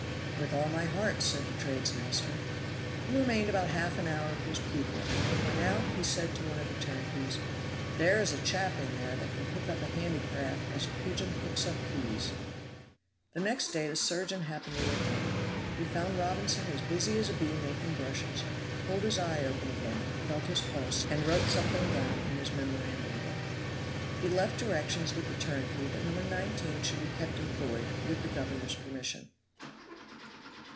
"With all my heart," said the trades' master. He remained about half an hour with his pupil, and when he went out he said to one of the turnkeys, "There is a chap in there that can pick up a handicraft as a pigeon picks up peas." The next day the surgeon happened to look in. He found Robinson as busy as a bee making brushes, pulled his eye open again, felt his pulse, and wrote something down in his memorandum book. He left directions with the turnkey that No. 19 should be kept employed, with the governor's permission.